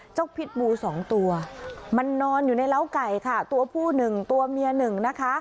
พิษบูสองตัวมันนอนอยู่ในเล้าไก่ค่ะตัวผู้หนึ่งตัวเมียหนึ่งนะคะ